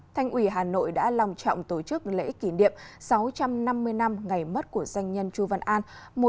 thành ủy hà nội đã lòng trọng tổ chức lễ kỷ niệm sáu trăm năm mươi năm ngày mất của doanh nhân chu văn an một nghìn ba trăm bảy mươi hai nghìn hai mươi